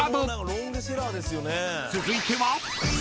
［続いては］